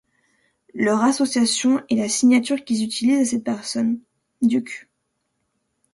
Leur association et la signature qu’ils utilisent à cette période, Duc.